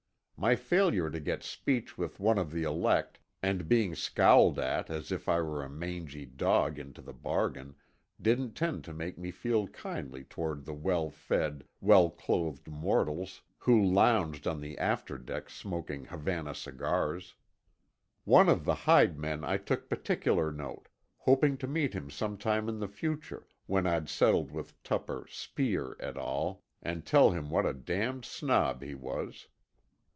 My failure to get speech with one of the elect, and being scowled at as if I were a mangy dog into the bargain, didn't tend to make me feel kindly toward the well fed, well clothed mortals who lounged on the after deck smoking Havana cigars. Of the hide man I took particular note, hoping to meet him some time in the future, when I'd settled with Tupper, Speer et al, and tell him what a damned snob he was.